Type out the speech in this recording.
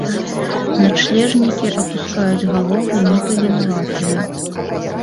Начлежнікі апускаюць галовы, нібы вінаватыя.